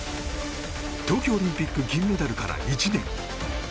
東京オリンピック銀メダルから１年。